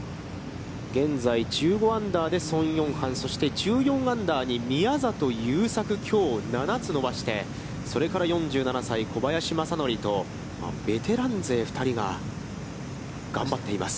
現在１５アンダーで宋永漢、そして１４アンダーに宮里優作、きょう７つ伸ばして、それから４７歳、小林正則とベテラン勢２人が頑張っています。